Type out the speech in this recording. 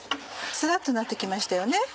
サラっとなって来ましたよね。